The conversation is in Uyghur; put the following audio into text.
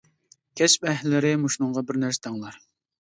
كەسىپ ئەھلىلىرى مۇشۇنىڭغا بىر نەرسە دەڭلار.